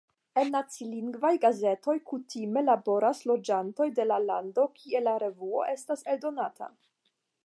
En nacilingvaj gazetoj kutime laboras loĝantoj de la lando, kie la revuo estas eldonata.